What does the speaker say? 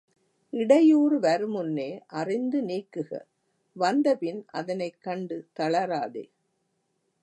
இடையூறு வருமுன்பே அறிந்து நீக்குக வந்தபின் அதனைக் கண்டு தளராதே.